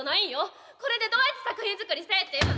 これでどうやって作品作りせえっていうん。